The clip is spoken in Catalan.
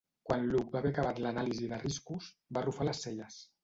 Quan Luke va haver acabat l'anàlisi de riscos, va arrufar les celles.